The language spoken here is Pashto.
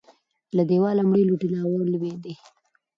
له دېواله مړې لوټې راولوېدې.